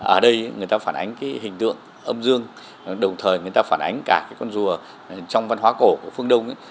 ở đây người ta phản ánh hình tượng âm dương đồng thời người ta phản ánh cả con rùa trong văn hóa cổ của phương đông